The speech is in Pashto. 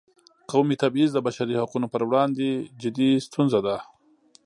قومي تبعیض د بشري حقونو پر وړاندې جدي ستونزه ده.